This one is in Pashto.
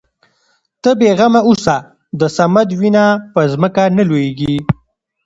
ته بې غمه اوسه د صمد وينه په ځمکه نه لوېږي.